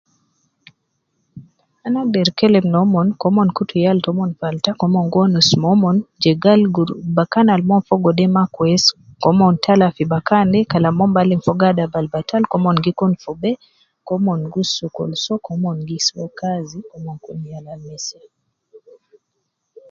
Ana agder kelem nomon koomon kutu yal tomon falta, koomon gu wonus momon jegal group bakan al omon fogo de ma kwesi, koomon tala fi bakan de kalam mon baalim fogo adab ab batal, koomon gi kun fi bee, koomon gus sokol soo, koomon gi soo kazi, koomon kun yal al me seme